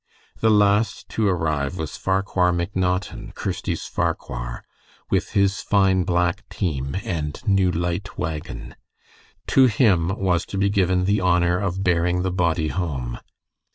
The last to arrive was Farquhar McNaughton, Kirsty's Farquhar, with his fine black team and new light wagon. To him was to be given the honor of bearing the body home.